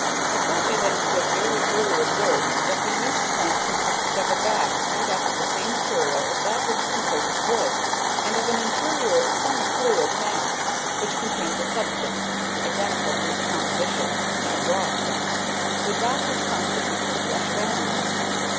I told you that it was very early observed that the yeast plant consisted of a bag made up of the same material as that which composes wood, and of an interior semifluid mass which contains a substance, identical in its composition, in a broad sense, with that which constitutes the flesh of animals.